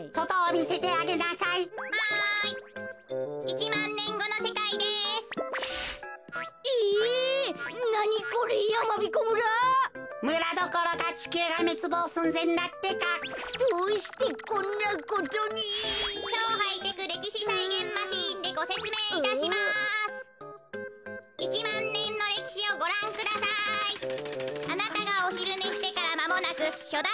あなたがおひるねしてからまもなくきょだ